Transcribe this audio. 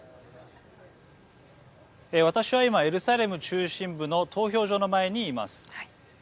私は今、エルサレム中心部の投票所の前にいます。